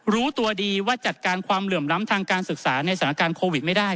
รู้ตัวดีว่าจัดการความเหลื่อมล้ำทางการศึกษาในสถานการณ์โควิดไม่ได้